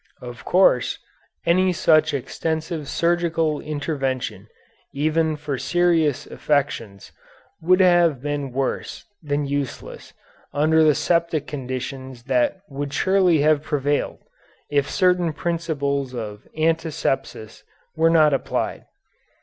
Of course, any such extensive surgical intervention even for serious affections would have been worse than useless under the septic conditions that would surely have prevailed if certain principles of antisepsis were not applied.